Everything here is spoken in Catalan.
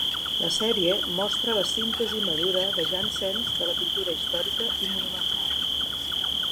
La sèrie mostra la síntesi madura de Janssens de la pintura històrica i monumental.